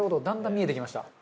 だんだん見えてきました。